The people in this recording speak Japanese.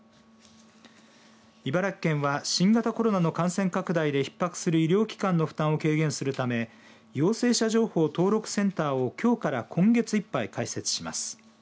茨城県は新型コロナの感染拡大でひっ迫する医療機関の負担を軽減するため陽性者情報登録センターをきょうから今月いっぱい開設します。